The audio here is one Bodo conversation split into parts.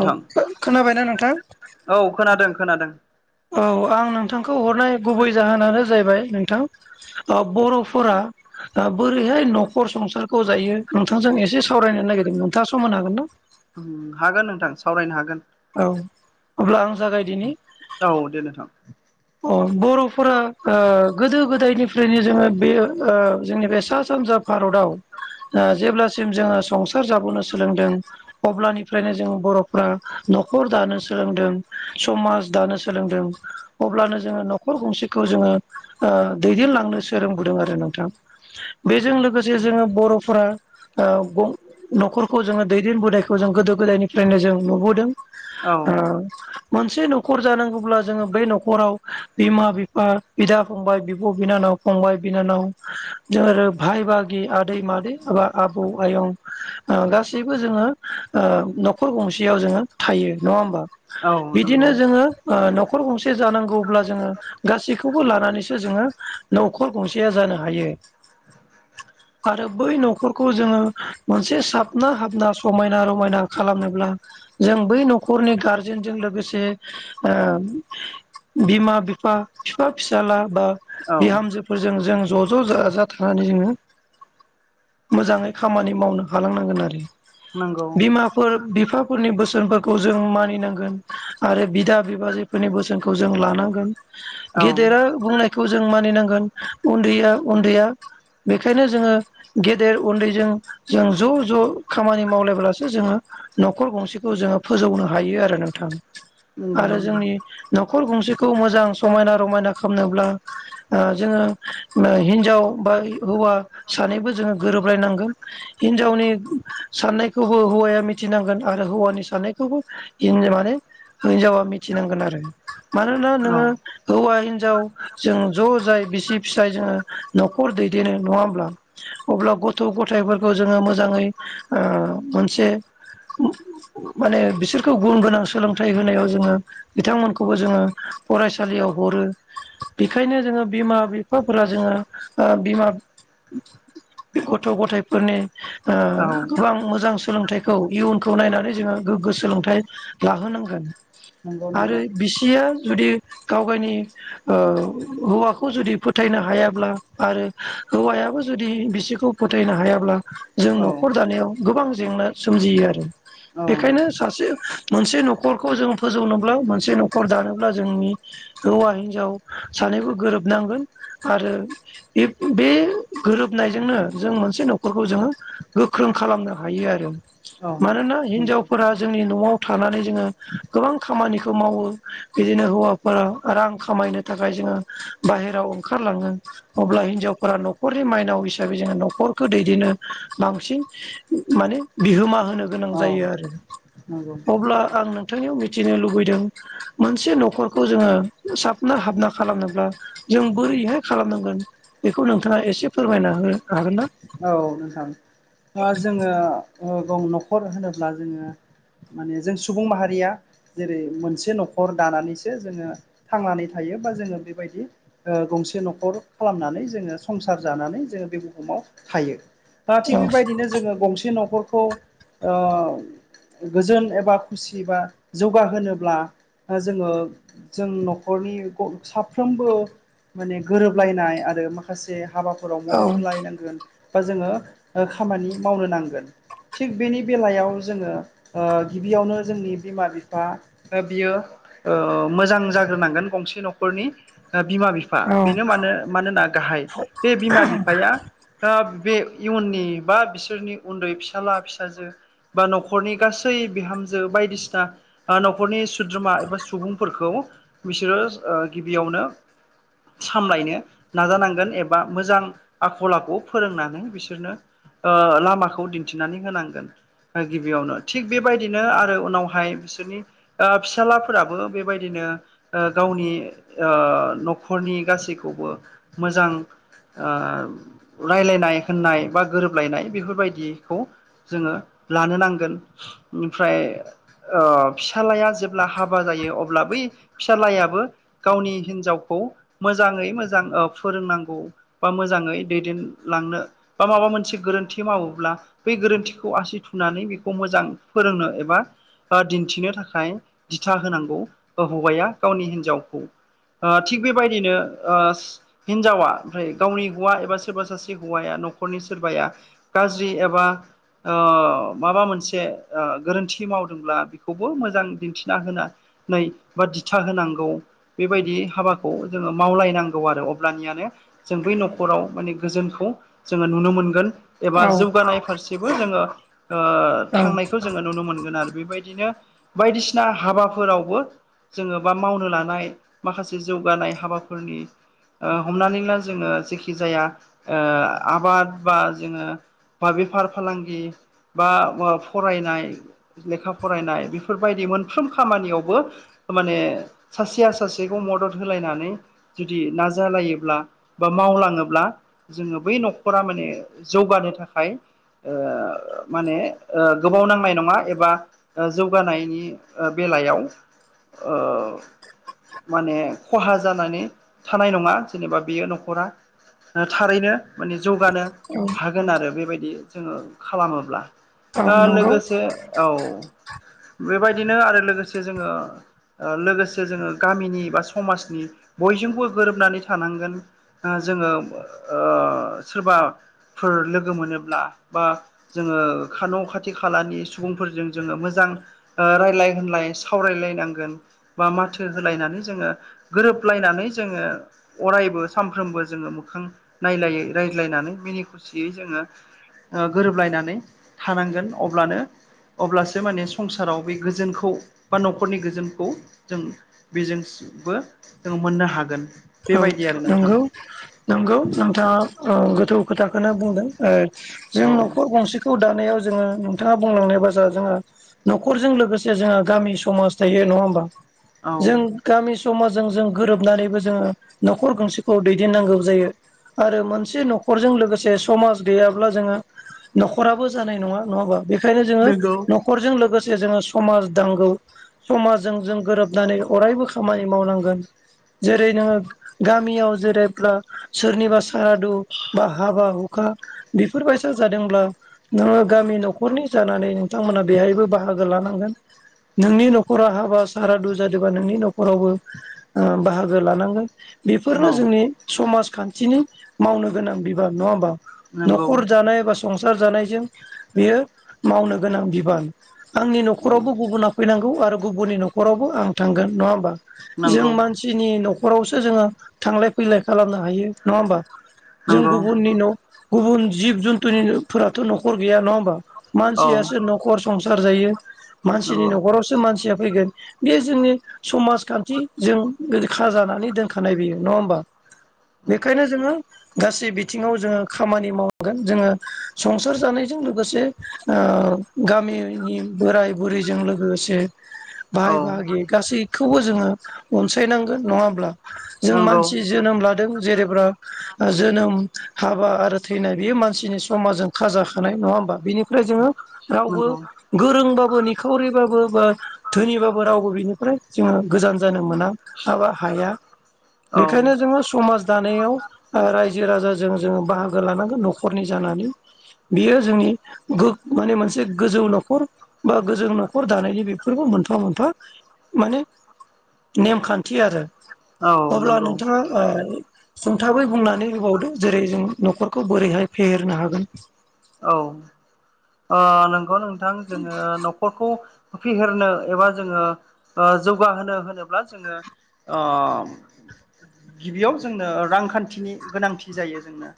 औ खोनाबायना नोंथां? औ खोनादों खोनादों। औ आं नोंथांखौ हरनाय गुबै जाहोनानो जाहैबाय नोंथां। अ बर'फोरा बोरैहाय न'खर संसारखौ जायो नोंथांजों एसे सावरायनो नागिरदों नोंथाङा समान हागोन ना? हागोन नोंथां सावरायनो हागोन। औ अब्ला आं जागायदिनि औ दे नोंथां। अ बर'फोरा गोदो गोदायनिफ्रायनो जोङो बे जोंनि बे सा सानजा भारताव जेब्लासिम जोङो संसार जाबोनो सोलोंदों। अब्लानिफ्रायनो जों बर'फ्रा न'खर दानो सोलोंदों समाज दानो सोलोंदों। अब्लानो जोङो न'खर गंसेखौ जोङो ओ दैदेनलांनो सोंबोदों आरो नोंथां। बेजों लोगोसे जोङो बर'फोरा ओ न'खरखौ जोङो दैदेनबोनायखौ जों गोदो गोदायनिफ्रायनो जों नुबोदों। औ ओ मोनसे न'खर जानांगौब्ला जोङो बेै न' न'खराव बिमा बिफा बिदा फंबाय बिब' बिनानाव फंबाय बिनानाव [unintelligible] भाय बागि आदै मादै आबा आबौ आयं गासैबो जोङो ओ न'खर गंसेयाव जोङो थायो नङा होमबा? औ बिदिनो नंगौ जोङो न'खर गंसे से जानांगौब्ला जोङो गासैखौबो लानानैसो जोङो न'खर गंसेया जानो हायो। [inaudible] आरो बै न'खरखौ जोङो मोनसे साबना हाबना समायना रमायना खालामनोब्ला जों बै न'खरनि गारजेनजों लोगोसे बिमा बिफा बिफा फिसाला बा औ बिहामजोफोरजों जों ज' ज' ज जाथारनानै जोङो मोजाङै खामानि मावनो हालांनांगोन आरो नंगौ बिमा फोर बिफाफोरनि बोसोनफोरखौ जों मानिनांगोन आरो बिदा बिबाजै फोरनि बोसोनखौ जों लानांगोन औ गेदेरा बुंनाय खौ जों मानिनांगोन उन्दैया उन्दैया बेखायनो जोङो गेदेर उन्दैजों जों ज' ज' खामानि मावलायब्लासो जोङो न'खर गंसेखौ जोङो फोजौनो हायो आरो नोंथां नंगौ आरो नंगौ जोंनि न'खर गंसेखौ मोजां समायना रमायना खालामनोब्ला जोङो हिनजाव बा हौवा सानैबो जोङो गोरोबलायनांगोन। हिनजावनि साननायखौ हौवाया मिथिनांगोन आरो हौवानि साननायखौबो माने हिनजावा मिथिनांगोन आरो मानोना औ नोङो हौवा हिनजाव जों ज' जाय बिसि फिसाय जोङो न'खर दैदेननो नङा होमब्ला अब्ला गथ' गथायफोरखौ जोङो मोजाङै मोनसे माने बिसोरखौ गुन गोनां सोलोंथाइ होनायाव जोङो बिथांमोनखौ खौबो जोङो फरायसालियाव हरो बेखायनो जोङो बिमा बिफाफोरा जोङो ओ बिमा गथ' गथायफोरनि ओ औ गोबां मोजां सोलोंथाइ खौ इयुनखौ नायनानै जोङो गोग्गो सोलोंथाइ लाहोनांगोन। नंगौ नंगौ। [unintelligible] जुदि गाव गावनि ओ हौवाखौ जुदि फोथायनो हायाब्ला आरो हौवायाबो जुदि बिसिखौ फोथायनो हायाब्ला जों औ न'खर दानायाव गोबां जेंना सोमजियो आरो औ बेखायनो सासे मोनसे न'खरखौ जों फोजौनोब्ला मोनसे न'खर नखर दानोब्ला जोंनि हौवा हिनजाव सानैबो गोरोबनांगोन आरो बे बे गोरोबनायजोंनो जों मोनसे न'खरखौ जोङो गोख्रों खालामनो हायो आरो औ मानोना नंगौ हिनजावफोरा जोंनि न'आव थानानै जोङो गोबां खामानिखौ मावो। बिदिनो हौवाफोरा रां खामायनो थाखाय जोङो बाहेरायाव ओंखारलाङो। अब्ला हिनजावफोरा न'खरनि माइनाव हिसाबै जोङो न'खरखौ दैदेननो बांसिन माने बिहोमा होनो गोनां औ जायो आरो अब्ला आं नोंथांनियाव मिथिनो लुबैदों। मोनसे न'खरखौ जोङो साबना हाबना खालामनोब्ला जों बोरैहाय खालामनांगोन बेखौ नोंथाङा एसे फोरमायना होनो हागोन ना औ नोंथां जोङो ग न'खर होनोब्ला जोङो माने जों सुबुं माहारिया जेरै मोनसे न'खर दानानैसो जोङो थांनानै थायो बा जोङो बेबायदि गंसे न'खर खालामनानै जोङो संसार जानानै जोङो बे बुहुमाव थायो दा औ थिग बेबायदिनो जोङो गंसे न'खरखौ गोजोन एबा खुसि बा जौगाहोनोब्ला जोङो जों न'खरनि ग साफ्रोमबो माने गोरोबलायनाय आरो माखासे हाबाफोराव औ मदद होलायनांगोन। बा जोङो खामानि मावनो नांगोन थिग बेनि बेलायाव जोङो गिबियावनो जोंनि बिमा बिफा बियो मोजां जाग्रोनांगोन गंसे न'खरनि बिमा बिफा औ बि बेनो मानो मानोना गाहाय बे बिमा बिफाया दा बे इयुननि बा बिसोरनि उन्दै फिसाला फिसाजो बा न'खरनि गासै बिहामजो बायदिसिना न'खरनि सोद्रोमा एबा सुबुंफोरखौ बिसोरो गिबियावनो सामलायनो नाजानांगोन एबा मोजां आखललाखु फोरोंनानै बिसोरनो लामाखौ दिन्थिनानै होनांगोन गिबियावनो थिग बेबायदिनो आरो उनावहाय बिसोरनि फिसााजलाफोराबो बेबायदिनो गावनि न'खरनि गासैखौबो मोजां [inaudible] रायज्लायनाय होननाय बा गोरोबलायनाय बेफोरबायदिखौ जोङो लानो नांगोन ओमफ्राय फिसालाया जेब्ला हाबा जायो अब्ला बै फिसालायाबो गावनि हिन्जावखौ मोजाङै मोजां फोरोंनांगौ बा मोजाङै दैदेन लांनो बा माबा मोनसे गोरोन्थि मावोब्ला बे गोरोन्थिखौ आसि थुनानै बेखौ मोजां फोरोंनो एबा दिन्थिनो थाखाय दिथा होनांगौ हौवाया गावनि हिनजावखौ थिग बेबायदिनो हिनजावा ओमफ्राय गावनि हौवा एबा सोरबा सासे हौवाया न'खरनि सोरबाया गाज्रि एबा माबा मोनसे गोरोन्थि मावदोंब्ला बेखौबो मोजां दिन्थिना होना नै बा दिथा होनांगौ बेबायदि हाबाखौ जोङो मावलायनांगौ आरो अब्लानिया जों बै न'खराव माने गोजोनखौ जोङो नुनो मोनगोन एबा औ जौगानाय फारसेबो जोङो औ थांनायखौ जोङो नुनो मोनगोन आरो बेबायदि बिदिनो बायदिसिना हाबाफोरावबो जोङो बा मावनो लानाय माखासे जौगानाय हाबाफोरनि हमनानै ला जोङो जेखि जाया आबाद बा जोङो बा बेफार फालांगि बा फरायनाय लेखा फरायनाय बेफोरबायदि मोनफ्रोम खामानियावबो माने सासेया सासेखौ मदद होलायनानै जुदि नाजालायोब्ला बा मावलाङोब्ला जोङो बै न'खरा माने जौगानो थाखाय माने गोबाव नांनाय नङा एबा जौगानायनि बेलायाव माने खहा जानानै थानाय नङा जेनेबा बियो न'खरा थारैनो माने जौगानो औ हागोन आरो बेबायदि जोङो खालामोब्ला औ नंगौ लोगोसे औ बेबायदिनो आरो लोगोसे जोङो लोगोसे जोङो गामिनि बा समाजनि बयजोंबो गोरोबनानै थानांगोन ओ जोङो ओ सोरबाफोर लोगो मोनोब्ला बा जोङो खा न' खाथि खालानि सुबुंफोरजों जोङो मोजां ओ रायलाय होनलाय सावरायलायनांगोन बा माथो होलायनानै जोङो गोरोबलायनानै जोङो अरायबो सानफ्रोमबो जोङो मोखां नायलायै रायज्लायनानै मिनि खुसियै जोङो गोरोबलायनानै थानांगोन अब्लानो अब्लासो माने संसाराव बे गोजोनखौ बा न'खरनि गोजोनखौ जों बेजोंबो जोंो मोननो हागोन औ बेबायदि आरो नोंथां नंगौ नंगौ नोंथाङा गोथौ खोथाखौनो बुंदों जों औ न'खर गंसे खौ दानायाव जोङो नोंथाङा बुंलांनाय बा जों जोंहा न'खरजों लोगोसे जोंहा गामि समाज थायो नङा होमबा औ जों गामि समाजजों जों गोरोबनानैबो जोङो न'खर गंसेखौ दैदेननांगौ जायो आरो मोनसे न'खरजों लोगोसे समाज गैयाब्ला जोङो न'खराबो जानाय नङा नङाबा बेखायनो जोङो नंगौ न' खरजों लोगोसे जोङो समाज दांगौ समाजजों जों गोरोबनानै अरायबो खामानि मावनांगोन जेरै नोङो गामियाव जेरैब्ला सोरनिबा सारादु बा हाबा हु खा बेफोरबायसा जादोंब्ला नोङो गामि न'खरनि जानानै नोंथांमोनहा बेहायबो बाहागो लानांगोन नोंनि न'खरा हाबा सारादु जादोंबा नोंनि न'खरावबो ओ बाहागो लानांगोन बेफोरनो औ जोंनि समाजखान्थिनि मावनो गोनां बिबान नङा होमबा नंगौ न'खर जानाय बा संसार जानायजों बेयो मावनो गोनां बिबान आंनि औ नंगौ न'खरावबो गुबुना फैनांगौ आरो गुबुननि न'खरावबो आं थांगोन नङा होमबा जों नंगौ मानसिनि न'खरावसो जोङो थांलाय फैलाय खालामनो हायो नङा होमबा जों गुबुननि न' गुबुन जिब जुन्थुनिफोराथ' न'खर गैया नङा होमबा औ मानसियासो न'खर संसार जायो मानसिनि नंगौ न'खराव मानसिया फैगोन बे जोंनि समाजखान्थि जों रोखा जानानै दोन खानाय बियो नङा होमबा बेखायनो जोङो गासै बिथिङाव जोङो खामानि मावगोन जोङो संसार जानायजों लोगोसे ओ गामिनि बोराय बुरैजों लोगोसे भाय औ बागि गासैखौबो जोङो अनसायनांगोन नङा होमब्ला जों नंगौ मानसि जोनोम लादों जेरेब्रा जोनोम हाबा आरो थैनाय बेयो मानसिनि समाजजों खाजाखानाय नङा होमबा बिनि ओमफ्राय जोङो रावबो नंगौ गोरोंबाबो निखावरिबाबो बा धोनिबाबो रावबो बिनिफ्राय जोङो गोजान जानो मोना माबा हाया औ बेखायनो जोङो समाज दानायाव ओ रायजो राजाजों जोङो बाहागो लानांगोन न'खरनि जानानै बेयो जोंनि गो माने मोनसे गोजौ न'खर बा गोजों न'खर दानायनि बेफोरबो मोनफा मोनफा माने नेमखान्थि आरो औ अब्ला नंगौ नोंथाङा ओ सुंथाबै बुंनानै होबावदो जेरै जों न'खरखौ बोरैहाय फेहेरनो हागोन औ ओ नंगौ नोंथां जोङो न'खरखौ फेहेरनो एबा जोङो ओ जौगाहोनो होनोब्ला जोङो ओ गिबियाव जोंनो रांखान्थिनि गोनांथि जायो जोंनो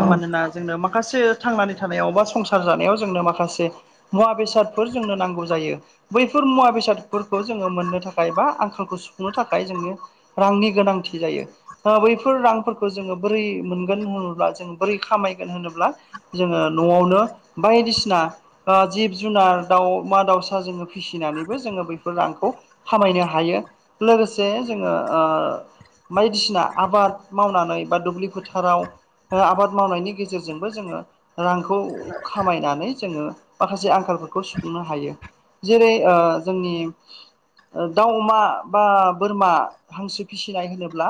औ मानोना जोंनो माखासे थांनानै थानायाव बा संसार जानायाव जोंनो माखासे मुवा बेसादफोर जोंनो नांगौ जायो बैफोर मुवा बेसादफोरखौ जोङो मोननो थाखाय बा आंखालखौ सुफुंनो थाखाय जोङो रांनि गोनांथि जायो बैफोर रांफोरखौ जोङो बोरै मोनगोन होनोब्ला जो बोरै खामायगोन होनोब्ला जोङो न'आवनो बायदिसिना ओ जिब जुनार दाउ मा दाउसा जोङो फिसिनानैबो जोङो बेफोर रांखौ। खामायनो हायो लोगोसे जोङो ओ बायदिसिना आबाद मावनानै बा दुब्लि फोथाराव हो आबाद मावनायनि गेजेरजोंबो जोङो रांखौ खामायनानै जोङो माखासे आंखालफोरखौ सुफुंनो हायो जेरै ओ जोंनि दाउ अमा बा बोरमा हांसो फिसिनाय होनोब्ला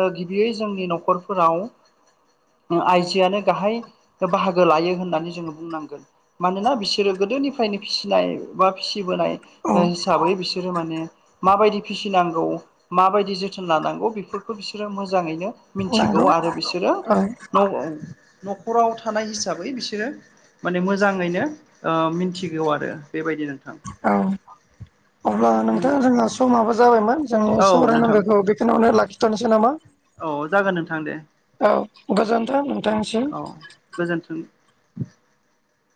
ओ गिबियै जोंनि न'खरफोराव ओ आइजोआनो गाहाय बाहागो लायो होननानै जोङो बुंनांगोन मानोना बिसोरो गोदोनिफ्रायनो फिसिनाय। बा फिसिबोनाय औ हिसाबै बिसोरो माने माबायदि फिसिनांगौ माबायदि जोथोन लानांगौ बेफोरखौ बिसोरो मोजाङैनो मिनथिगौ नंगौ आरो बिसोरो औ न'खराव थानाय हिसाबै बिसोरो माने मोजाङैनो ओ मोनथिगौ आरो बेबायदि नोंथां। औ अब्ला नोंथां जोंहा समाबो जाबायमोन जों औ नोंथां [unintelligible] [unintelligible] लाखिथसै नामा? औ जागोन नोंथां दे। औ गोजोनथों। औ गोजोन्थों।